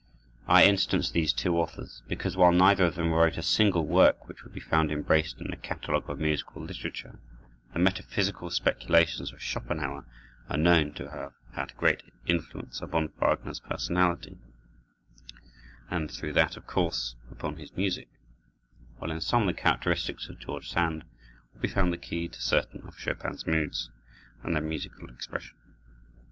I instance these two authors, because, while neither of them wrote a single work which would be found embraced in a catalogue of musical literature, the metaphysical speculations of Schopenhauer are known to have had great influence upon Wagner's personality, and through that, of course, upon his music; while in some of the characteristics of George Sand will be found the key to certain of Chopin's moods, and their musical expression.